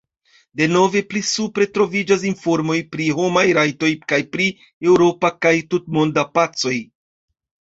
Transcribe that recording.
Denove pli supre troviĝas informoj pri homaj rajtoj kaj pri eŭropa kaj tutmonda pacoj.